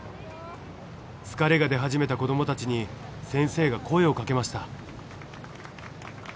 疲れが出始めた子どもたちに先生が声をかけました。